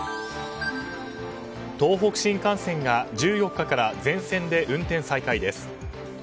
東北新幹線が１４日から全線で運転を再開です。